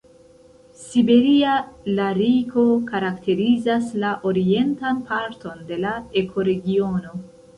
Siberia lariko karakterizas la orientan parton de la ekoregiono.